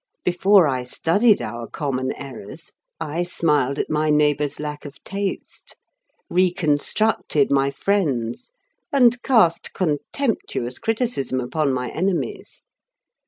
Before I studied our common errors I smiled at my neighbor's lack of taste, reconstructed my friends, and cast contemptuous criticism upon my enemies.